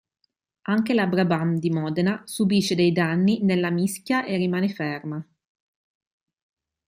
Anche la Brabham di Modena subisce dei danni nella mischia e rimane ferma.